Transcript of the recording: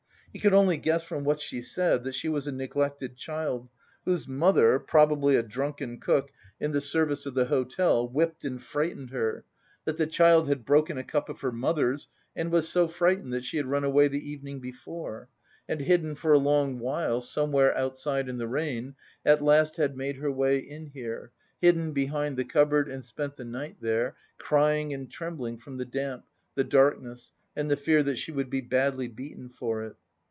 He could only guess from what she said that she was a neglected child, whose mother, probably a drunken cook, in the service of the hotel, whipped and frightened her; that the child had broken a cup of her mother's and was so frightened that she had run away the evening before, had hidden for a long while somewhere outside in the rain, at last had made her way in here, hidden behind the cupboard and spent the night there, crying and trembling from the damp, the darkness and the fear that she would be badly beaten for it.